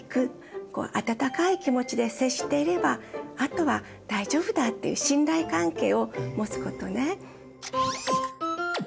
あたたかい気持ちで接していればあとは大丈夫だっていう信頼関係を持つことね。